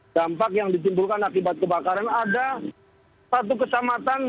dampak yang ditimbulkan akibat kebakaran ada satu kecamatan